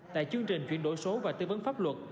tại chương trình chuyển đổi số và tư vấn pháp luật